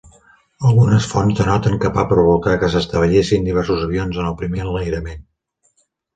Algunes fonts denoten que va provocar que s'estavellessin diversos avions en el primer enlairament.